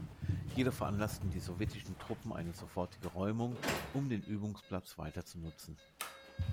Jedoch veranlassten die sowjetischen Truppen eine sofortige Räumung, um den Übungsplatz weiter zu nutzen.